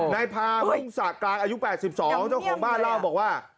นายพาธุงสากกลางอายุ๘๒ของบ้านเล่าว่า